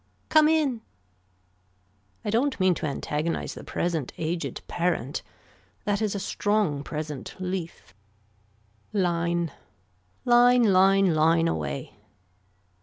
Come in. I don't mean to antagonize the present aged parent. That is a strong present leaf. Line. Line line line away.